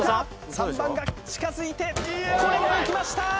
３番が近づいてこれも抜きました！